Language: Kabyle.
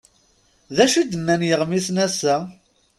D acu d-nnan yiɣmisen ass-a?